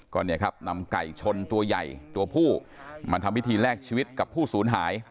ก็เนี่ยครับนำไก่ชนตัวใหญ่ตัวผู้มาทำพิธีแลกชีวิตกับผู้สูญหาย